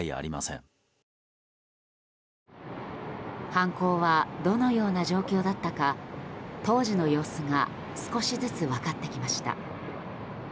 犯行はどのような状況だったか当時の様子が少しずつ分かってきました。